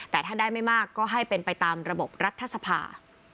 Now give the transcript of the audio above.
แต่ถ้าได้ไม่มากก็ให้เป็นไปตามระบบรัฐสภา